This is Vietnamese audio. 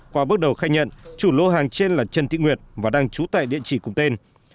qua bước đầu khai nhận chủ lô hàng trên là trần thị nguyệt và đang trú tại địa chỉ cùng tên